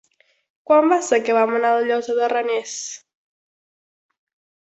Quan va ser que vam anar a la Llosa de Ranes?